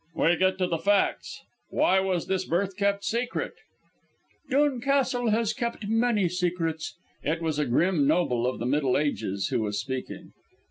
"We get to the facts! Why was this birth kept secret?" "Dhoon Castle has kept many secrets!" It was a grim noble of the Middle Ages who was speaking.